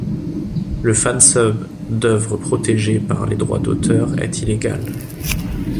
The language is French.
Le fansub d'œuvres protégées par les droits d'auteur est illégal.